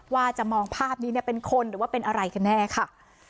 ว่าจะมองภาพนี้เป็นคนหรือว่าเป็นอะไรกันแน่ค่ะ